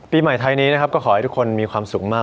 ปีใหม่ไทยนี้นะครับก็ขอให้ทุกคนมีความสุขมาก